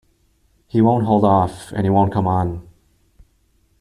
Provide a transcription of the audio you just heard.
He won't hold off, and he won't come on.